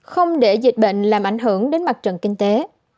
không để dịch bệnh làm ảnh hưởng đến mặt trận kinh tế